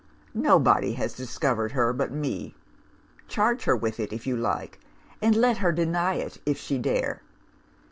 Nobody has discovered her but me. Charge her with it, if you like; and let her deny it if she dare.